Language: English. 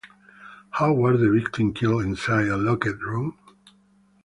How was the victim killed inside a locked room?